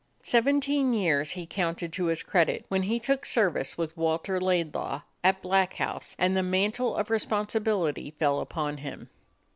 Seventeen years he counted to his credit when he took service with Walter Laidlaw at Black House and the man tle of responsibility fell upon him.